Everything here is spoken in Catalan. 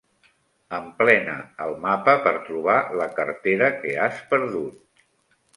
Emplena el mapa per trobar la cartera que has perdut.